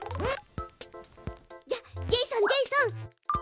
じゃあジェイソンジェイソン！